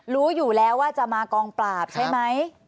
รู้อยู่แล้วว่าจะมากองปราบใช่ไหม